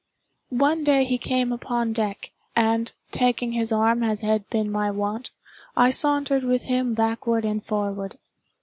One day he came upon deck, and, taking his arm as had been my wont, I sauntered with him backward and forward.